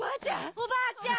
・おばあちゃん！